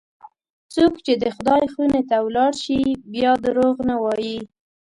څوک چې د خدای خونې ته ولاړ شي، بیا دروغ نه وایي.